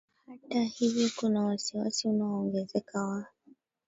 Hata hivyo kuna wasi wasi unaoongezeka wa